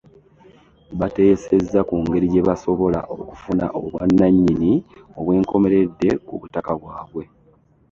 Bateesezza ku ngeri gye basobola okufuna obwannannyini obwenkoleredde ku butaka bwabwe